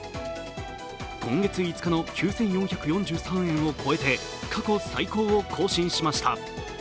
今月５日の９４４３円を超えて過去最高を更新しました。